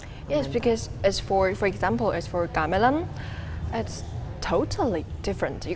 ya karena sebagai contoh untuk gamelan itu sangat berbeda